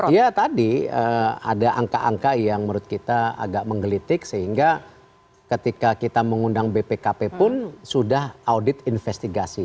ya tadi ada angka angka yang menurut kita agak menggelitik sehingga ketika kita mengundang bpkp pun sudah audit investigasi